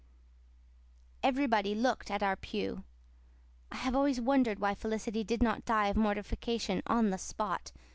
Everybody looked at our pew. I have always wondered why Felicity did not die of mortification on the spot.